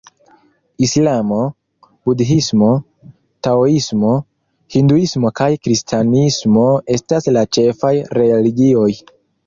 Islamo, Budhismo, Taoismo, Hinduismo kaj Kristanismo estas la ĉefaj religioj.